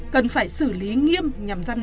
cần phải xử lý nghiêm nhằm giam đe